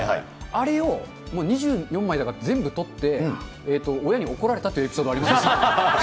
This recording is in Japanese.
あれを２４枚だから全部撮って、親に怒られたというエピソードあります。